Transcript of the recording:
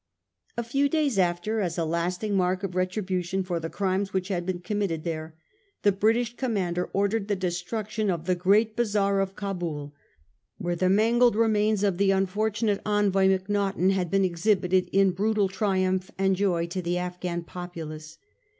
A few days after, as a lasting mtrk of retri bution for the crimes which had been committed there, the British commander ordered the destruction of the great bazaar of Cabul, where the mangled remains of the unfortunate envoy Macnaghten had been exhibited in brutal triumph and joy to the Afghan populace.